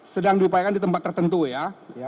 sedang diupayakan di tempat tertentu ya